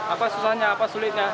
apa susahnya apa sulitnya